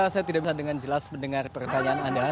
saya tidak bisa dengan jelas mendengar pertanyaan anda